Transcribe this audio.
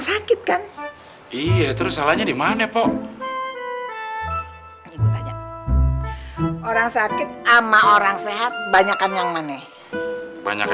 sakit kan iya terus salahnya dimana pok orang sakit ama orang sehat banyakan yang mana banyak